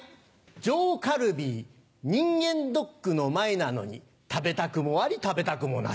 上カルビ人間ドックの前なのに食べたくもあり食べたくもなし。